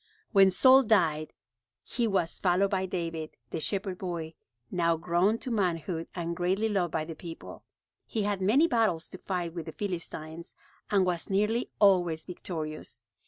When Saul died he was followed by David, the shepherd boy, now grown to manhood and greatly loved by the people. He had many battles to fight with the Philistines and was nearly always victorious.